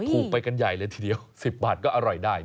ถูกไปกันใหญ่เลยทีเดียว๑๐บาทก็อร่อยได้